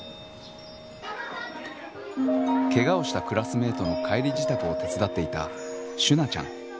ケガをしたクラスメートの帰り支度を手伝っていたしゅなちゃん。